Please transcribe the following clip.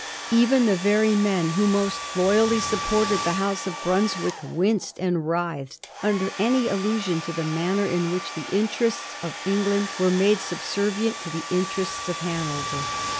Even the very men who most loyally supported the House of Brunswick Tvinced and writhed under any allusion to the manner in which the interests of England were made subser vient to the interests of Hanover.